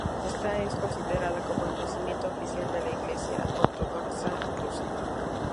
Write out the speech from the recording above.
Esta fecha es considerada como el nacimiento oficial de la Iglesia ortodoxa rusa.